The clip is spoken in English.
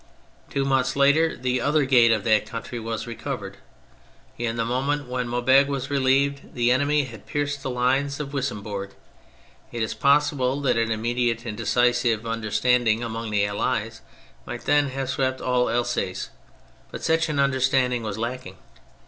Two months later the other gate of the country was recovered. In the moment when Maubeuge was relieved, the enemy had pierced the lines of Wissembourg. It is pos sible that an immediate and decisive under standing among the Allies might then have swept ail Alsace; but such an understanding was lacking.